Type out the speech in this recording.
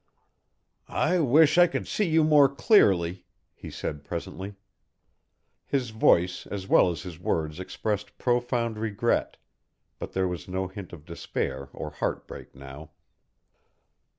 "I wish I could see you more clearly," he said presently. His voice as well as his words expressed profound regret, but there was no hint of despair or heartbreak now.